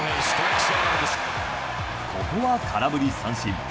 ここは空振り三振。